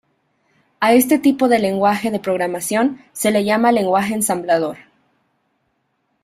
A este tipo de lenguaje de programación se le llama lenguaje ensamblador.